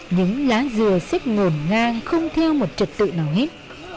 những lá dừa xếp nguồn ngang không theo một trật tự nào hết